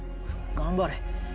頑張れ。